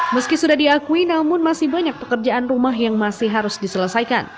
meski sudah diakui namun masih banyak pekerjaan rumah yang masih harus diselesaikan